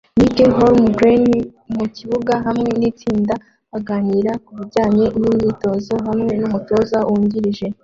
Mike Holmgren mukibuga hamwe nitsinda baganira kubijyanye nimyitozo hamwe numutoza wungirije